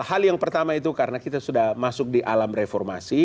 hal yang pertama itu karena kita sudah masuk di alam reformasi